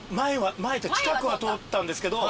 近くは通ったんですけど。